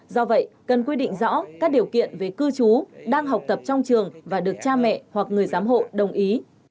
do vậy cần quy định rõ các điều kiện về cư trú đang học tập trong trường và được cha mẹ hoặc người giám hộ đồng ý